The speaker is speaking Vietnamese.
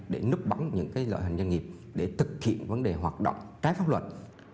để nút bóng những cái loại hành doanh nghiệp để thực hiện vấn đề hoạt động trái pháp luật